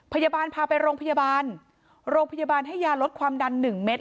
พยาบาลพาไปโรงพยาบาลโรงพยาบาลให้ยาลดความดันหนึ่งเม็ด